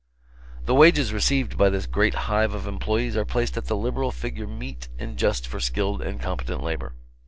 The wages received by this great hive of employees are placed at the liberal figure meet and just for skilled and competent labor.